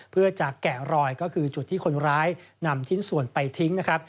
เพื่อจะแกะรอยก็คือจุดที่คนร้ายนำชิ้นส่วนไปทิ้งนะครับ